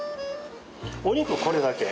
お肉これだけ。